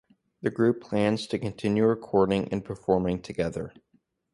The group plans to continue recording and performing together.